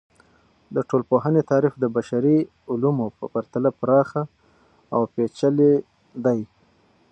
د ټولنپوهنې تعریف د بشري علومو په پرتله پراخه او پیچلي دی.